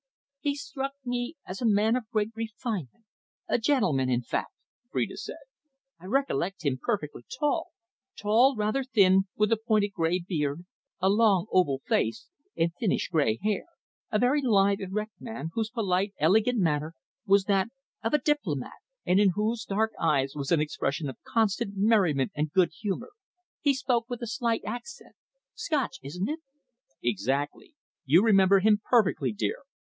"He struck me as a man of great refinement a gentleman, in fact," Phrida said. "I recollect him perfectly: tall, rather thin, with a pointed, grey beard, a long, oval face, and thinnish, grey hair. A very lithe, erect man, whose polite, elegant manner was that of a diplomat, and in whose dark eyes was an expression of constant merriment and good humour. He spoke with a slight accent Scotch, isn't it?" "Exactly. You remember him perfectly, dear.